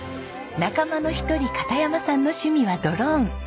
仲間の一人片山さんの趣味はドローン。